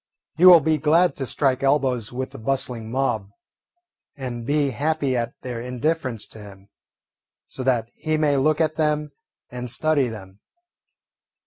He will be glad to strike elbows with the bustling mob and be happy at their indifference to him, so that he may look at them and study them.